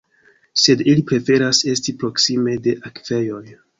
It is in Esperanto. Sed ili preferas esti proksime de akvejoj.